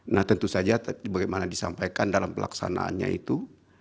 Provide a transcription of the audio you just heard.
nah tentu saja bagaimana disampaikan dalam pelaksanaannya itu